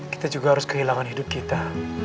kita juga harus kehilangan hidup kita